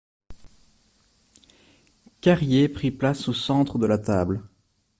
Carrier prit place au centre de la table.